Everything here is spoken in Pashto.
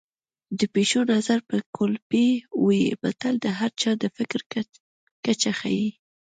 د پيشو نظر به کولپۍ وي متل د هر چا د فکر کچه ښيي